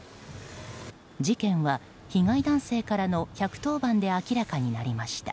事件は被害男性からの１１０番で明らかになりました。